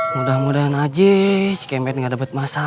mudah mudahan aja si kemet gak dapet masalah